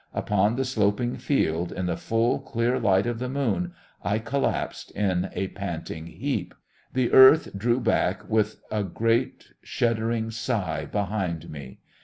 Upon the sloping field in the full, clear light of the moon I collapsed in a panting heap. The Earth drew back with a great shuddering sigh behind me.